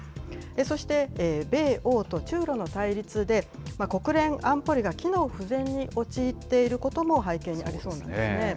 そして米欧と中ロの対立で、国連安保理が機能不全に陥っていることも背景にありそうなんですね。